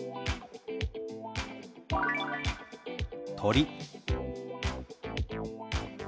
「鳥」。